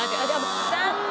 残念！